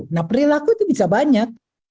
nah perilaku itu bisa banyak